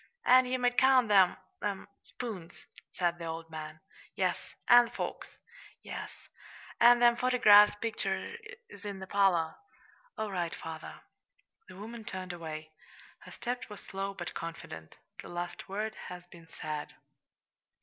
"An' ye might count 'em them spoons," said the old man. "Yes." "An' the forks." "Yes." "An' them photygraph pictures in the parlor." "All right, father." The woman turned away. Her step was slow, but confident the last word had been said.